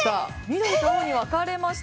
緑と青に分かれました。